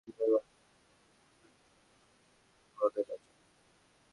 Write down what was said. মার্কিন একজন কূটনৈতিক হুমকি দেবেন, বাংলাদেশকে তারা দখল করবে-এটা কোন ধরনের আচরণ।